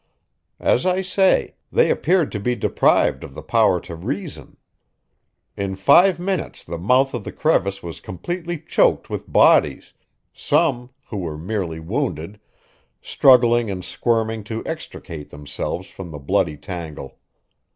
As I say, they appeared to be deprived of the power to reason. In five minutes the mouth of the crevice was completely choked with bodies, some, who were merely wounded, struggling and squirming to extricate themselves from the bloody tangle.